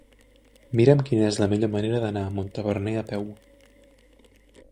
Mira'm quina és la millor manera d'anar a Montaverner a peu.